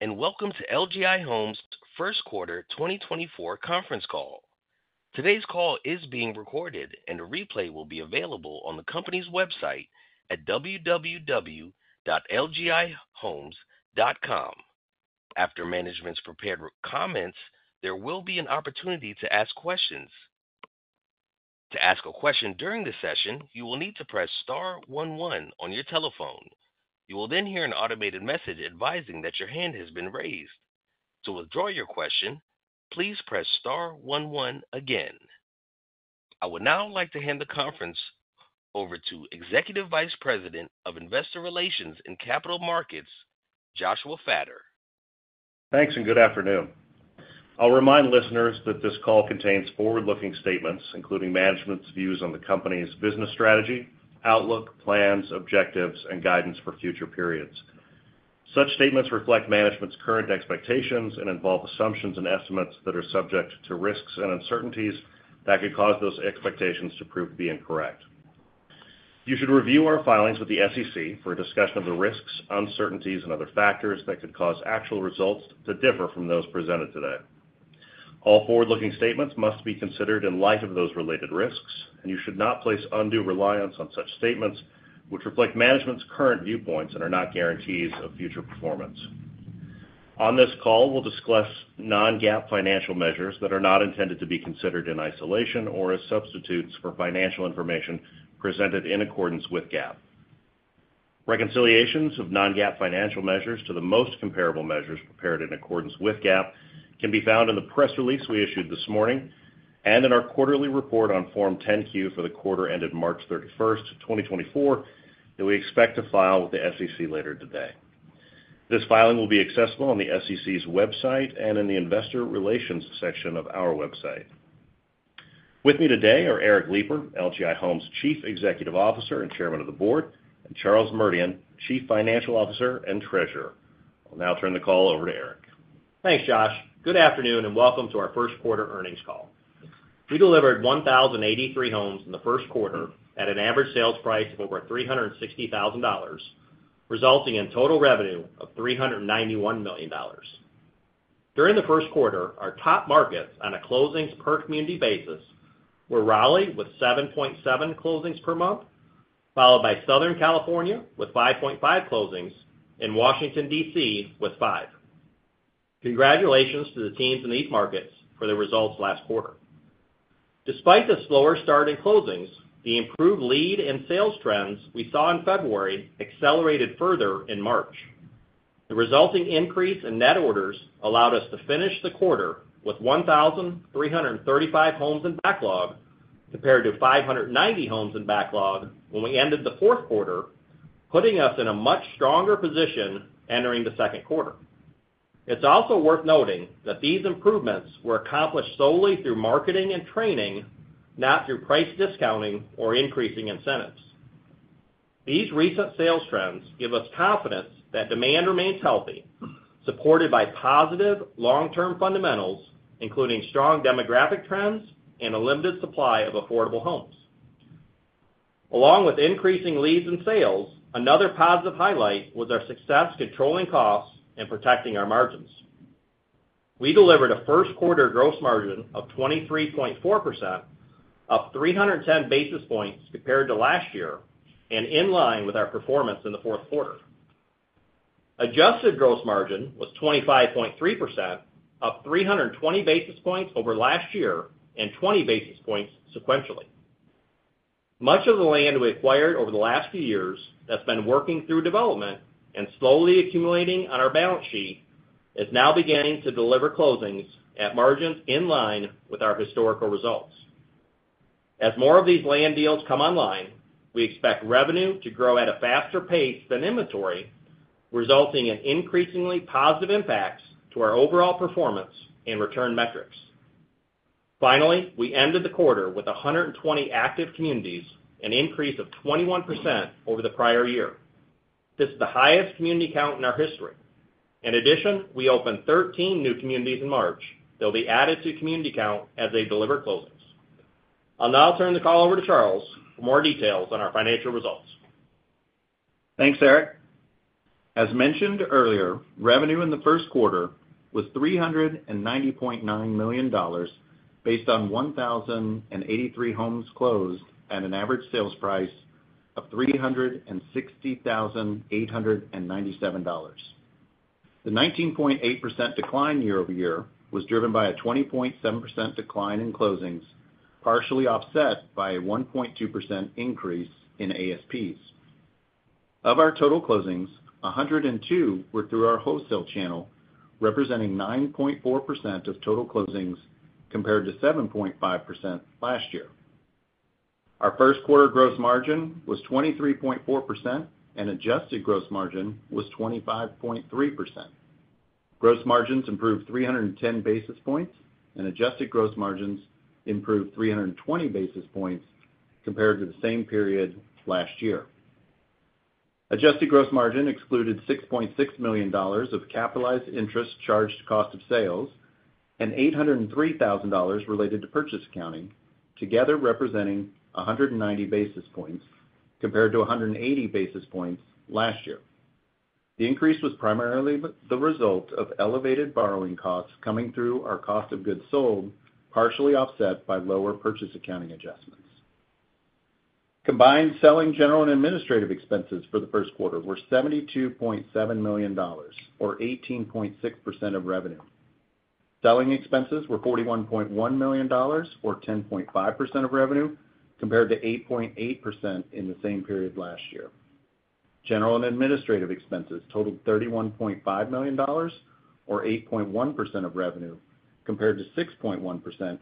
Hello, and welcome to LGI Homes' first quarter 2024 conference call. Today's call is being recorded, and a replay will be available on the company's website at www.lgihomes.com. After management's prepared comments, there will be an opportunity to ask questions. To ask a question during the session, you will need to press star one one on your telephone. You will then hear an automated message advising that your hand has been raised. To withdraw your question, please press star one one again. I would now like to hand the conference over to Executive Vice President of Investor Relations and Capital Markets, Joshua Fattor. Thanks, and good afternoon. I'll remind listeners that this call contains forward-looking statements, including management's views on the company's business strategy, outlook, plans, objectives, and guidance for future periods. Such statements reflect management's current expectations and involve assumptions and estimates that are subject to risks and uncertainties that could cause those expectations to prove to be incorrect. You should review our filings with the SEC for a discussion of the risks, uncertainties, and other factors that could cause actual results to differ from those presented today. All forward-looking statements must be considered in light of those related risks, and you should not place undue reliance on such statements, which reflect management's current viewpoints and are not guarantees of future performance. On this call, we'll discuss non-GAAP financial measures that are not intended to be considered in isolation or as substitutes for financial information presented in accordance with GAAP. Reconciliations of non-GAAP financial measures to the most comparable measures prepared in accordance with GAAP can be found in the press release we issued this morning, and in our quarterly report on Form 10-Q for the quarter ended March 31st, 2024, that we expect to file with the SEC later today. This filing will be accessible on the SEC's website and in the investor relations section of our website. With me today are Eric Lipar, LGI Homes' Chief Executive Officer and Chairman of the Board, and Charles Merdian, Chief Financial Officer and Treasurer. I'll now turn the call over to Eric. Thanks, Josh. Good afternoon, and welcome to our first quarter earnings call. We delivered 1,083 homes in the first quarter at an average sales price of over $360,000, resulting in total revenue of $391 million. During the first quarter, our top markets on a closings per community basis were Raleigh, with 7.7 closings per month, followed by Southern California, with 5.5 closings, and Washington, D.C., with five. Congratulations to the teams in these markets for their results last quarter. Despite the slower start in closings, the improved lead and sales trends we saw in February accelerated further in March. The resulting increase in net orders allowed us to finish the quarter with 1,335 homes in backlog, compared to 590 homes in backlog when we ended the fourth quarter, putting us in a much stronger position entering the second quarter. It's also worth noting that these improvements were accomplished solely through marketing and training, not through price discounting or increasing incentives. These recent sales trends give us confidence that demand remains healthy, supported by positive long-term fundamentals, including strong demographic trends and a limited supply of affordable homes. Along with increasing leads and sales, another positive highlight was our success controlling costs and protecting our margins. We delivered a first quarter gross margin of 23.4%, up 310 basis points compared to last year, and in line with our performance in the fourth quarter. Adjusted gross margin was 25.3%, up 320 basis points over last year and 20 basis points sequentially. Much of the land we acquired over the last few years that's been working through development and slowly accumulating on our balance sheet is now beginning to deliver closings at margins in line with our historical results. As more of these land deals come online, we expect revenue to grow at a faster pace than inventory, resulting in increasingly positive impacts to our overall performance and return metrics. Finally, we ended the quarter with 120 active communities, an increase of 21% over the prior year. This is the highest community count in our history. In addition, we opened 13 new communities in March. They'll be added to community count as they deliver closings. I'll now turn the call over to Charles for more details on our financial results. Thanks, Eric. As mentioned earlier, revenue in the first quarter was $390.9 million, based on 1,083 homes closed at an average sales price of $360,897. The 19.8% decline year-over-year was driven by a 20.7% decline in closings, partially offset by a 1.2% increase in ASPs. Of our total closings, 102 were through our wholesale channel, representing 9.4% of total closings, compared to 7.5% last year. Our first quarter gross margin was 23.4%, and adjusted gross margin was 25.3%. Gross margins improved 310 basis points, and adjusted gross margins improved 320 basis points compared to the same period last year. Adjusted Gross Margin excluded $6.6 million of capitalized interest charged to cost of sales, and $803,000 related to purchase accounting, together representing 190 basis points compared to 180 basis points last year. The increase was primarily the result of elevated borrowing costs coming through our cost of goods sold, partially offset by lower purchase accounting adjustments. Combined selling, general, and administrative expenses for the first quarter were $72.7 million, or 18.6% of revenue. Selling expenses were $41.1 million, or 10.5% of revenue, compared to 8.8% in the same period last year. General and administrative expenses totaled $31.5 million, or 8.1% of revenue, compared to 6.1%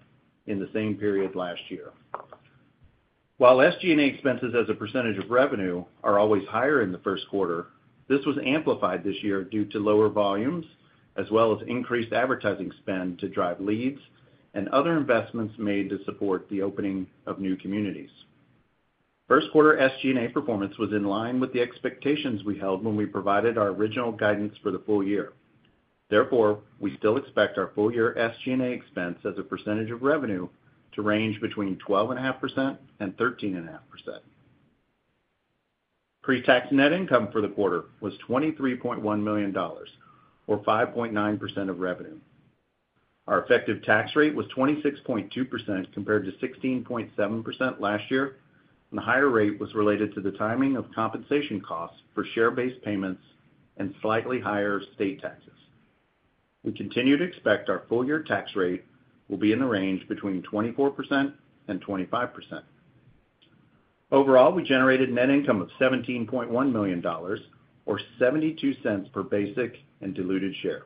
in the same period last year. While SG&A expenses as a percentage of revenue are always higher in the first quarter, this was amplified this year due to lower volumes, as well as increased advertising spend to drive leads and other investments made to support the opening of new communities. First quarter SG&A performance was in line with the expectations we held when we provided our original guidance for the full year. Therefore, we still expect our full-year SG&A expense as a percentage of revenue to range between 12.5% and 13.5%. Pre-tax net income for the quarter was $23.1 million, or 5.9% of revenue. Our effective tax rate was 26.2%, compared to 16.7% last year, and the higher rate was related to the timing of compensation costs for share-based payments and slightly higher state taxes. We continue to expect our full-year tax rate will be in the range between 24% and 25%. Overall, we generated net income of $17.1 million, or $0.72 per basic and diluted share.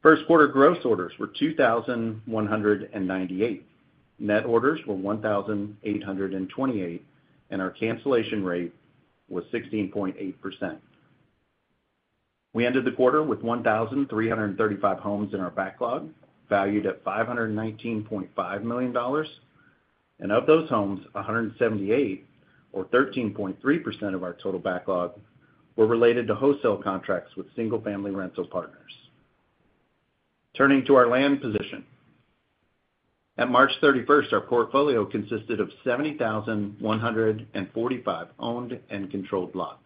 First quarter gross orders were 2,198. Net orders were 1,828, and our cancellation rate was 16.8%. We ended the quarter with 1,335 homes in our backlog, valued at $519.5 million, and of those homes, 178, or 13.3% of our total backlog, were related to wholesale contracts with single-family rental partners. Turning to our land position. At March 31, our portfolio consisted of 70,145 owned and controlled lots.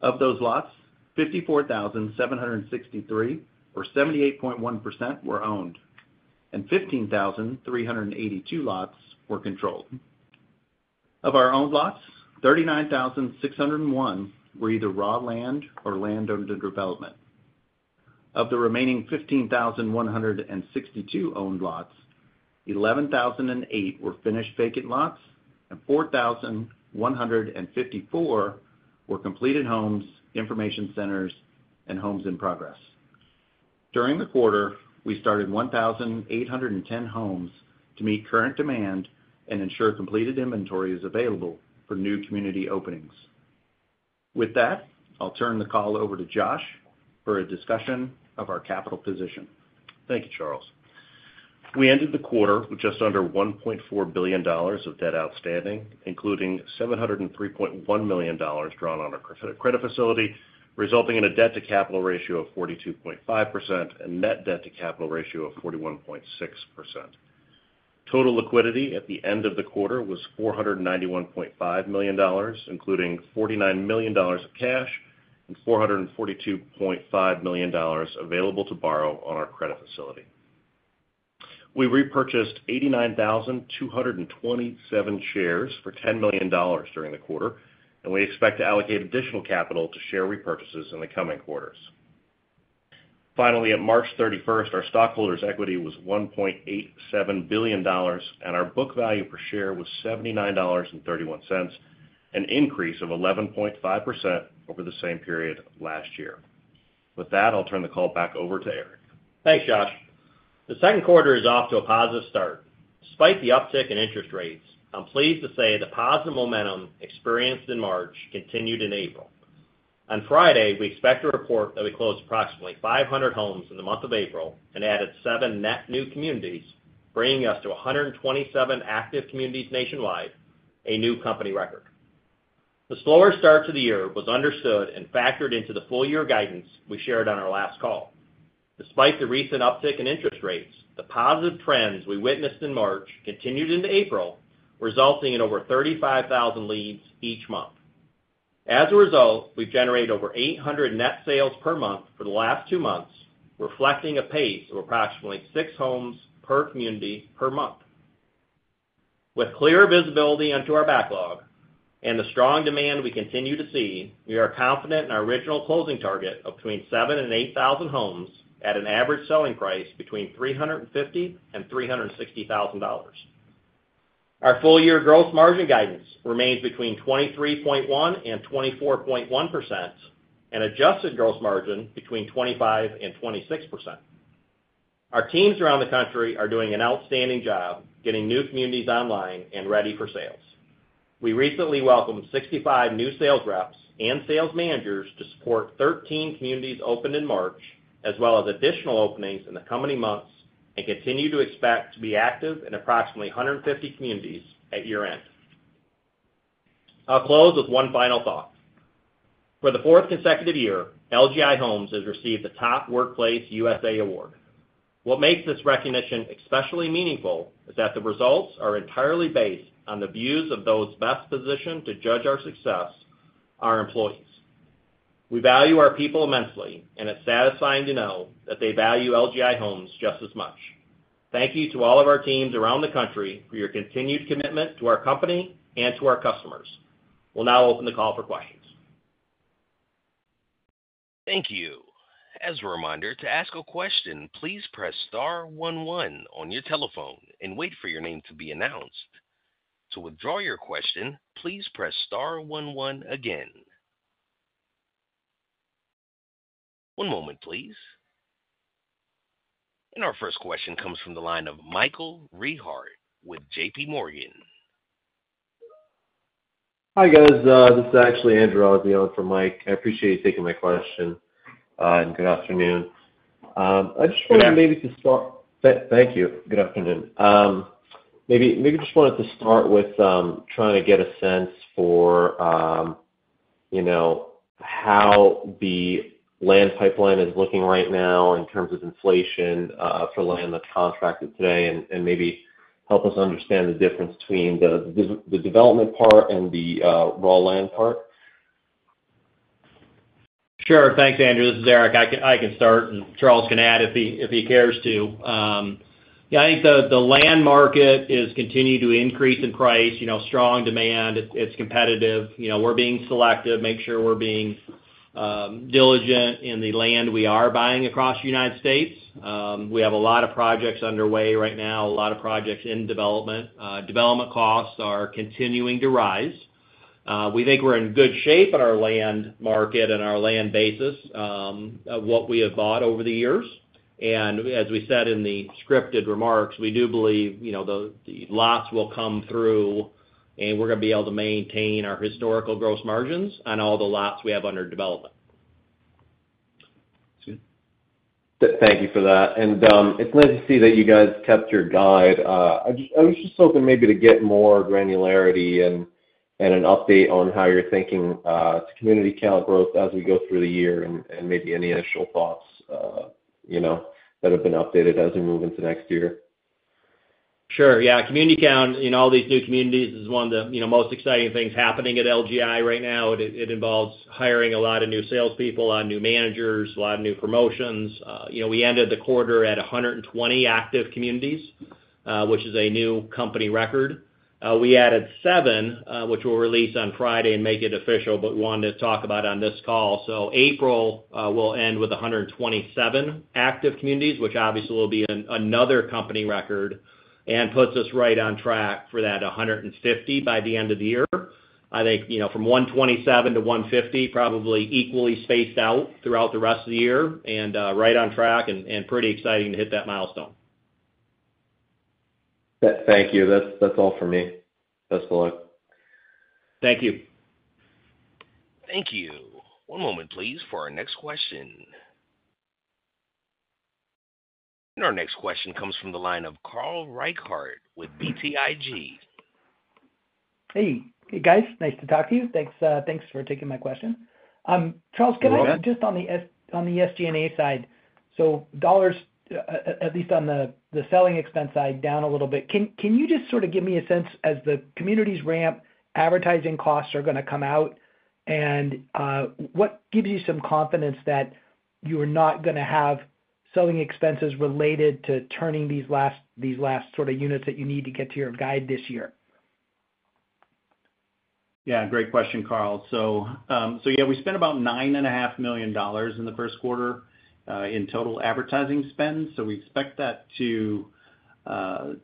Of those lots, 54,763, or 78.1%, were owned, and 15,382 lots were controlled. Of our owned lots, 39,601 were either raw land or land under development. Of the remaining 15,162 owned lots, 11,008 were finished vacant lots, and 4,154 were completed homes, information centers, and homes in progress. During the quarter, we started 1,810 homes to meet current demand and ensure completed inventory is available for new community openings. With that, I'll turn the call over to Josh for a discussion of our capital position. Thank you, Charles. We ended the quarter with just under $1.4 billion of debt outstanding, including $703.1 million drawn on our credit facility, resulting in a debt-to-capital ratio of 42.5% and net debt-to-capital ratio of 41.6%. Total liquidity at the end of the quarter was $491.5 million, including $49 million of cash and $442.5 million available to borrow on our credit facility. We repurchased 89,227 shares for $10 million during the quarter, and we expect to allocate additional capital to share repurchases in the coming quarters. Finally, at March 31st, our stockholders' equity was $1.87 billion, and our book value per share was $79.31, an increase of 11.5% over the same period last year. With that, I'll turn the call back over to Eric. Thanks, Josh. The second quarter is off to a positive start. Despite the uptick in interest rates, I'm pleased to say the positive momentum experienced in March continued in April. On Friday, we expect to report that we closed approximately 500 homes in the month of April and added seven net new communities, bringing us to 127 active communities nationwide, a new company record. The slower start to the year was understood and factored into the full year guidance we shared on our last call. Despite the recent uptick in interest rates, the positive trends we witnessed in March continued into April, resulting in over 35,000 leads each month. As a result, we've generated over 800 net sales per month for the last two months, reflecting a pace of approximately six homes per community per month. With clearer visibility into our backlog and the strong demand we continue to see, we are confident in our original closing target of between 7,000 and 8,000 homes at an average selling price between $350,000 and $360,000. Our full-year gross margin guidance remains between 23.1% and 24.1%, and adjusted gross margin between 25% and 26%. Our teams around the country are doing an outstanding job getting new communities online and ready for sales. We recently welcomed 65 new sales reps and sales managers to support 13 communities opened in March, as well as additional openings in the coming months, and continue to expect to be active in approximately 150 communities at year-end. I'll close with one final thought. For the fourth consecutive year, LGI Homes has received the Top Workplaces USA award. What makes this recognition especially meaningful is that the results are entirely based on the views of those best positioned to judge our success, our employees. We value our people immensely, and it's satisfying to know that they value LGI Homes just as much. Thank you to all of our teams around the country for your continued commitment to our company and to our customers. We'll now open the call for questions. Thank you. As a reminder, to ask a question, please press star one one on your telephone and wait for your name to be announced. To withdraw your question, please press star one one again. One moment, please. Our first question comes from the line of Michael Rehaut with J.P. Morgan. Hi, guys. This is actually Andrew Azzi on for Mike. I appreciate you taking my question, and good afternoon. I just wanted maybe to start- Yeah. Thank you. Good afternoon. Maybe just wanted to start with trying to get a sense for, you know, how the land pipeline is looking right now in terms of inflation for land that's contracted today, and maybe help us understand the difference between the development part and the raw land part. Sure. Thanks, Andrew. This is Eric. I can start, and Charles can add if he cares to. Yeah, I think the land market is continuing to increase in price, you know, strong demand. It’s competitive. You know, we’re being selective, make sure we’re being diligent in the land we are buying across the United States. We have a lot of projects underway right now, a lot of projects in development. Development costs are continuing to rise. We think we’re in good shape in our land market and our land basis of what we have bought over the years. And as we said in the scripted remarks, we do believe, you know, the lots will come through, and we’re going to be able to maintain our historical gross margins on all the lots we have under development. Thank you for that. It's nice to see that you guys kept your guide. I was just hoping maybe to get more granularity and, and an update on how you're thinking to community count growth as we go through the year and, and maybe any initial thoughts, you know, that have been updated as we move into next year. Sure. Yeah, community count in all these new communities is one of the, you know, most exciting things happening at LGI right now. It involves hiring a lot of new salespeople, a lot of new managers, a lot of new promotions. You know, we ended the quarter at 120 active communities, which is a new company record. We added seven, which we'll release on Friday and make it official, but wanted to talk about on this call. So, April, we'll end with 127 active communities, which obviously will be another company record and puts us right on track for that 150 by the end of the year. I think, you know, from 127-150, probably equally spaced out throughout the rest of the year, and right on track and pretty exciting to hit that milestone. Thank you. That's, that's all for me. Best of luck. Thank you. Thank you. One moment, please, for our next question. Our next question comes from the line of Carl Reichardt with BTIG. Hey. Hey, guys, nice to talk to you. Thanks, thanks for taking my question. Charles, can I- Go ahead just on the SG&A side, so dollars, at least on the selling expense side, down a little bit. Can you just sort of give me a sense, as the communities ramp, advertising costs are going to come out, and what gives you some confidence that you are not going to have selling expenses related to turning these last sort of units that you need to get to your guide this year? Yeah, great question, Carl. So, so yeah, we spent about $9.5 million in the first quarter in total advertising spend. So we expect that to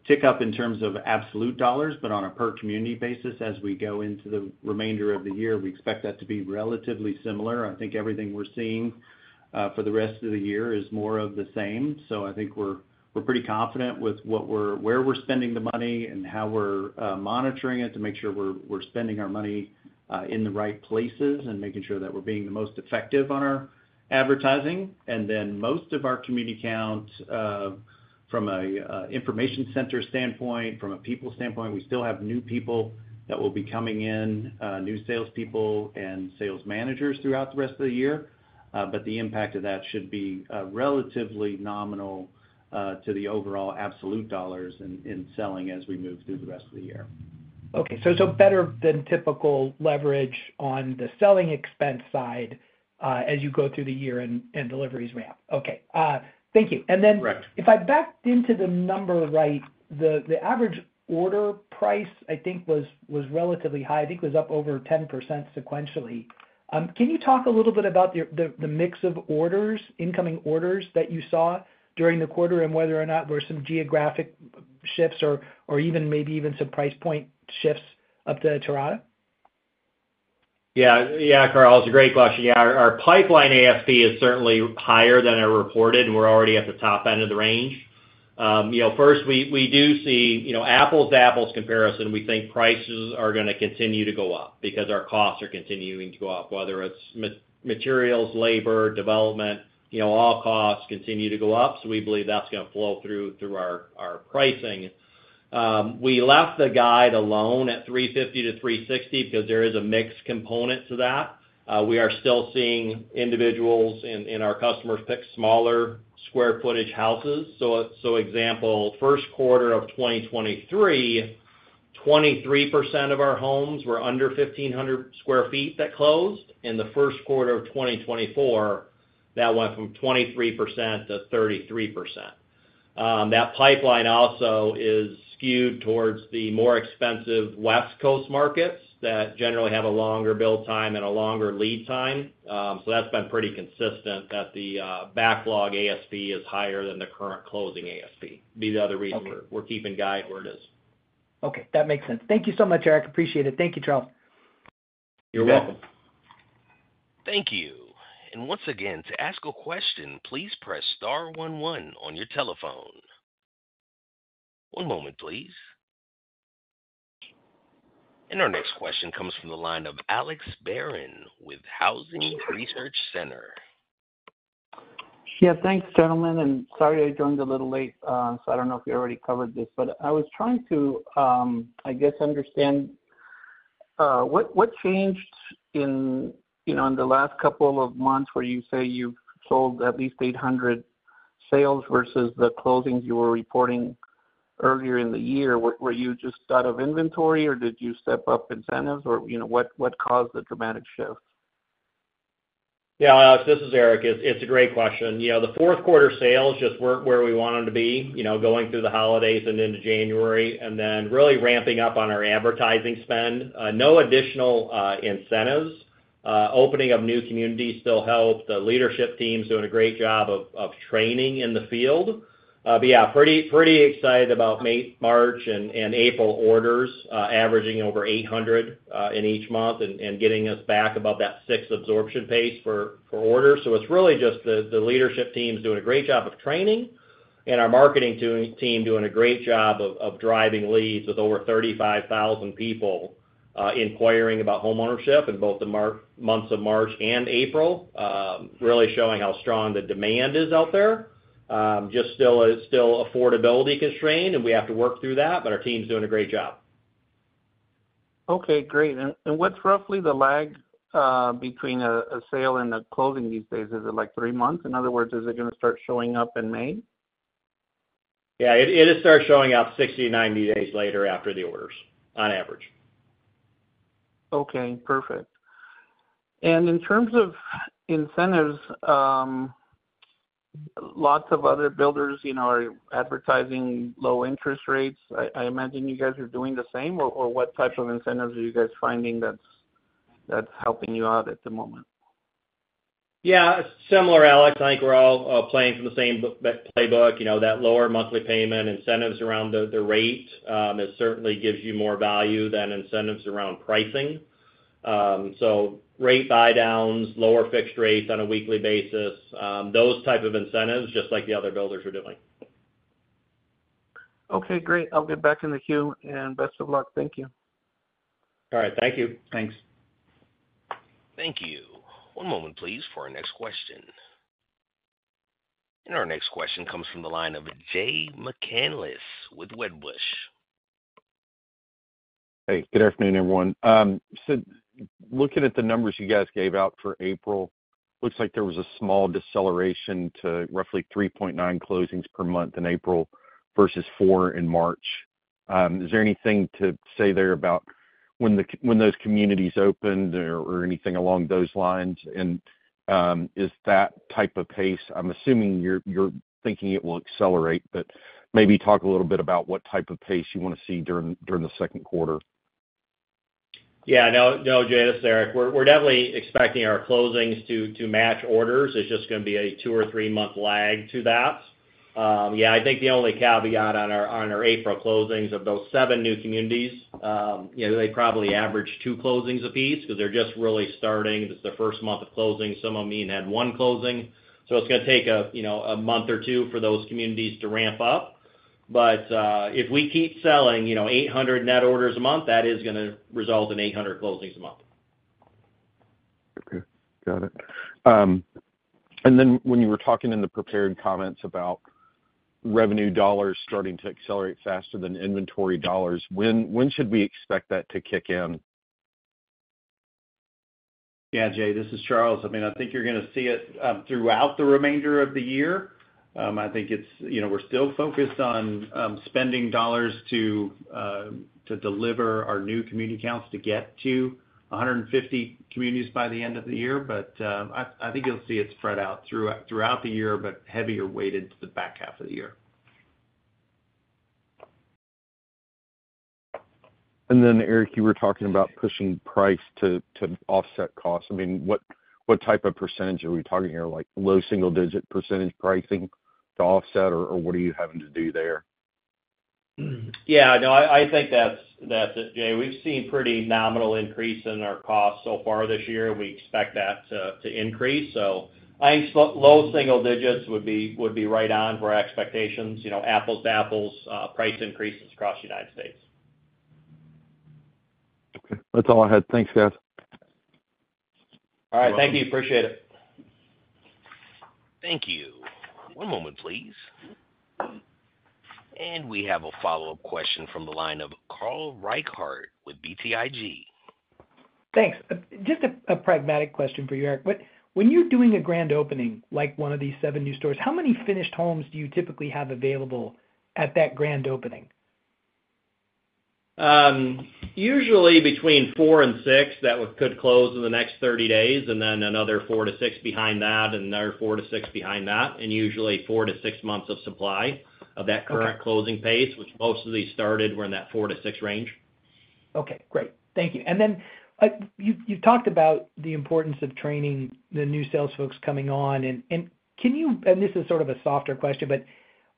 tick up in terms of absolute dollars, but on a per community basis, as we go into the remainder of the year, we expect that to be relatively similar. I think everything we're seeing for the rest of the year is more of the same. So I think we're, we're pretty confident with what we're where we're spending the money and how we're monitoring it to make sure we're, we're spending our money in the right places and making sure that we're being the most effective on our advertising. Then most of our community count, from a information center standpoint, from a people standpoint, we still have new people that will be coming in, new salespeople and sales managers throughout the rest of the year. The impact of that should be relatively nominal to the overall absolute dollars in selling as we move through the rest of the year. Okay. So, so better than typical leverage on the selling expense side, as you go through the year and, and deliveries ramp. Okay, thank you. Correct. And then if I backed into the number right, the average order price, I think was relatively high. I think it was up over 10% sequentially. Can you talk a little bit about the mix of orders, incoming orders that you saw during the quarter, and whether or not there were some geographic shifts or even maybe even some price point shifts up to Terrata? Yeah. Yeah, Carl, it's a great question. Yeah, our pipeline ASP is certainly higher than our reported, and we're already at the top end of the range. You know, first, we do see, you know, apples-to-apples comparison, we think prices are going to continue to go up because our costs are continuing to go up, whether it's materials, labor, development, you know, all costs continue to go up. So we believe that's going to flow through, through our pricing. We left the guide alone at $350-$360 because there is a mixed component to that. We are still seeing individuals in our customers pick smaller square footage houses. So, example, first quarter of 2023, 23% of our homes were under 1,500 sq ft that closed. In the first quarter of 2024, that went from 23% to 33%. That pipeline also is skewed towards the more expensive West Coast markets that generally have a longer build time and a longer lead time. So that's been pretty consistent that the backlog ASP is higher than the current closing ASP. Be the other reason- Okay. We're keeping guide where it is. Okay, that makes sense. Thank you so much, Eric. Appreciate it. Thank you, Charles. You're welcome. Thank you. And once again, to ask a question, please press star one one on your telephone. One moment, please. And our next question comes from the line of Alex Barron with Housing Research Center. Yeah, thanks, gentlemen, and sorry I joined a little late, so I don't know if you already covered this. But I was trying to, I guess, understand, what, what changed in, you know, in the last couple of months where you say you've sold at least 800 sales versus the closings you were reporting earlier in the year? Were, were you just out of inventory, or did you step up incentives, or, you know, what, what caused the dramatic shift? Yeah, Alex, this is Eric. It's a great question. You know, the fourth quarter sales just weren't where we wanted to be, you know, going through the holidays and into January, and then really ramping up on our advertising spend. No additional incentives. Opening up new communities still helped. The leadership team's doing a great job of training in the field. But yeah, pretty excited about May, March, and April orders, averaging over 800 in each month and getting us back above that six absorption pace for orders. So it's really just the leadership team's doing a great job of training, and our marketing team doing a great job of driving leads with over 35,000 people inquiring about homeownership in both the months of March and April. Really showing how strong the demand is out there. Just still, it's still affordability constrained, and we have to work through that, but our team's doing a great job. Okay, great. And what's roughly the lag between a sale and a closing these days? Is it, like, three months? In other words, is it going to start showing up in May? Yeah, it'll start showing up 60-90 days later after the orders, on average. Okay, perfect. And in terms of incentives, lots of other builders, you know, are advertising low interest rates. I imagine you guys are doing the same, or what type of incentives are you guys finding that's helping you out at the moment? Yeah, similar, Alex. I think we're all playing from the same playbook. You know, that lower monthly payment, incentives around the rate, it certainly gives you more value than incentives around pricing. So rate buydowns, lower fixed rates on a weekly basis, those type of incentives, just like the other builders are doing. Okay, great. I'll get back in the queue, and best of luck. Thank you. All right, thank you. Thanks. Thank you. One moment, please, for our next question. Our next question comes from the line of Jay McCanless with Wedbush. Hey, good afternoon, everyone. So looking at the numbers you guys gave out for April, looks like there was a small deceleration to roughly 3.9 closings per month in April versus four in March. Is there anything to say there about when the, when those communities opened or, or anything along those lines? And, is that type of pace. I'm assuming you're, you're thinking it will accelerate, but maybe talk a little bit about what type of pace you want to see during, during the second quarter. Yeah. No, no, Jay, this is Eric. We're definitely expecting our closings to match orders. It's just gonna be a two- or three-month lag to that. Yeah, I think the only caveat on our April closings of those seven new communities, you know, they probably average two closings a piece because they're just really starting. It's their first month of closing. Some of them even had one closing. So, it's gonna take a, you know, a month or two for those communities to ramp up. But, if we keep selling, you know, 800 net orders a month, that is gonna result in 800 closings a month. Okay, got it. And then when you were talking in the prepared comments about revenue dollars starting to accelerate faster than inventory dollars, when should we expect that to kick in? Yeah, Jay, this is Charles. I mean, I think you're gonna see it throughout the remainder of the year. I think it's. You know, we're still focused on spending dollars to deliver our new community counts to get to 150 communities by the end of the year. But I think you'll see it spread out throughout the year, but heavier weighted to the back half of the year. And then, Eric, you were talking about pushing price to offset costs. I mean, what type of percentage are we talking here? Like, low single digit percentage pricing to offset, or what are you having to do there? Yeah, no, I think that's it, Jay. We've seen pretty nominal increase in our costs so far this year. We expect that to increase, so I think low single digits would be right on for our expectations. You know, apples to apples, price increases across the United States. Okay, that's all I had. Thanks, guys. All right, thank you. Appreciate it. Thank you. One moment, please. We have a follow-up question from the line of Carl Reichardt with BTIG. Thanks. Just a pragmatic question for you, Eric. What, when you're doing a grand opening, like one of these seven new stores, how many finished homes do you typically have available at that grand opening? Usually between four and six, that would, could close in the next 30 days, and then another four to six behind that, and another four to six behind that, and usually four to six months of supply of that current closing pace, which most of these started, were in that four to six range. Okay, great. Thank you. And then, you talked about the importance of training the new sales folks coming on, and can you. And this is sort of a softer question, but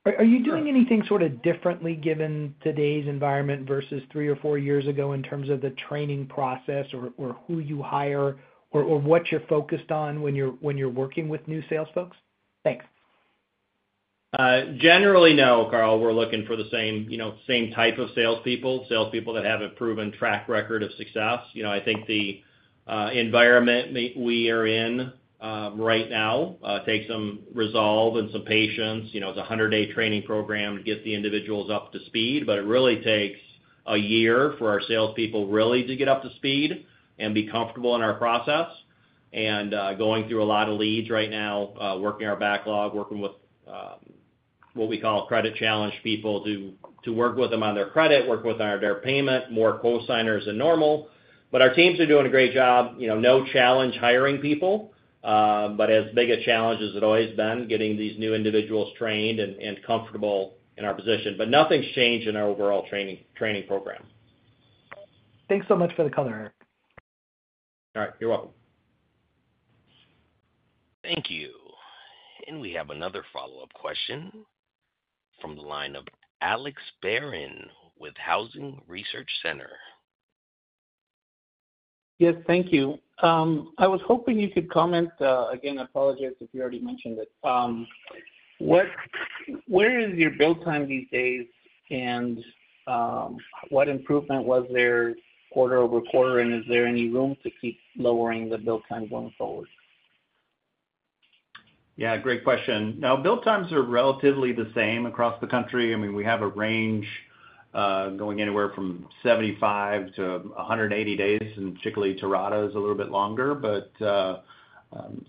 are you doing anything sort of differently given today's environment versus three or four years ago in terms of the training process or who you hire or what you're focused on when you're working with new sales folks? Thanks. Generally, no, Carl, we're looking for the same, you know, same type of salespeople, salespeople that have a proven track record of success. You know, I think the environment we are in right now takes some resolve and some patience. You know, it's a 100-day training program to get the individuals up to speed, but it really takes a year for our salespeople really to get up to speed and be comfortable in our process. And going through a lot of leads right now, working our backlog, working with what we call credit-challenged people, to work with them on their credit, work with on their payment, more cosigners than normal. But our teams are doing a great job. You know, no challenge hiring people, but as big a challenge as it's always been, getting these new individuals trained and comfortable in our position. But nothing's changed in our overall training program. Thanks so much for the color, Eric. All right. You're welcome. Thank you. We have another follow-up question from the line of Alex Barron with Housing Research Center. Yes, thank you. I was hoping you could comment, again, I apologize if you already mentioned it. Where is your build time these days, and, what improvement was there quarter-over-quarter? Is there any room to keep lowering the build time going forward? Yeah, great question. Now, build times are relatively the same across the country. I mean, we have a range going anywhere from 75 to 180 days, and particularly Terrata is a little bit longer. But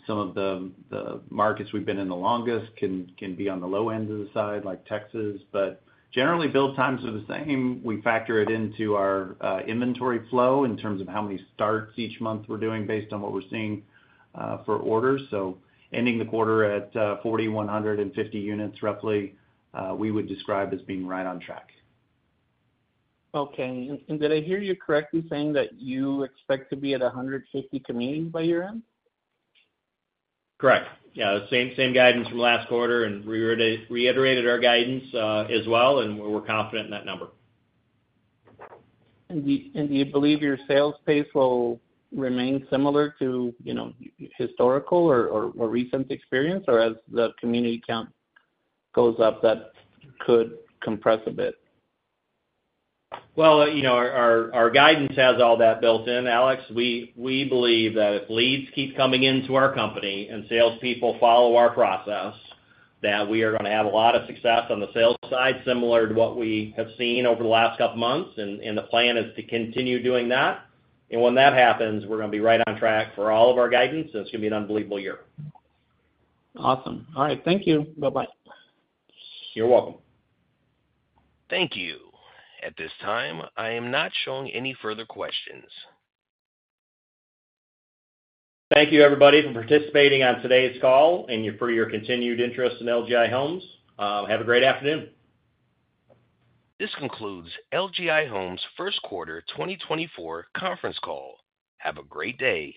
some of the markets we've been in the longest can be on the low end of the side, like Texas. But generally, build times are the same. We factor it into our inventory flow in terms of how many starts each month we're doing based on what we're seeing for orders. So ending the quarter at 4,150 units roughly, we would describe as being right on track. Okay. And did I hear you correctly saying that you expect to be at 150 communities by year-end? Correct. Yeah, same, same guidance from last quarter, and we are reiterating our guidance as well, and we're confident in that number. Do you believe your sales pace will remain similar to, you know, historical or recent experience? Or as the community count goes up, that could compress a bit? Well, you know, our guidance has all that built in, Alex. We believe that if leads keep coming into our company and salespeople follow our process, that we are going to have a lot of success on the sales side, similar to what we have seen over the last couple of months, and the plan is to continue doing that. And when that happens, we're going to be right on track for all of our guidance, and it's going to be an unbelievable year. Awesome. All right. Thank you. Bye-bye. You're welcome. Thank you. At this time, I am not showing any further questions. Thank you, everybody, for participating on today's call and for your continued interest in LGI Homes. Have a great afternoon. This concludes LGI Homes' first quarter 2024 conference call. Have a great day.